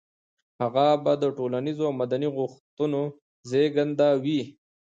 هغه به د ټولنيزو او مدني غوښتنو زېږنده وي.